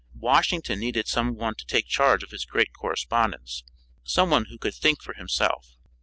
Washington needed some one to take charge of his great correspondence, some one who could think for himself.